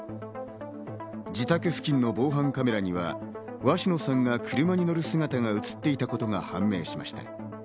自宅付近の防犯カメラには鷲野さんが車に乗る姿が映っていたことが判明しました。